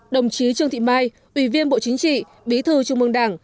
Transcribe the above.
đồng chí trương thị mai ủy viên bộ chính trị bí thư trung mương đảng